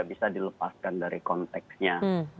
kita dilepaskan dari konteksnya